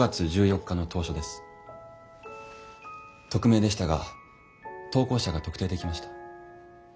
匿名でしたが投稿者が特定できました。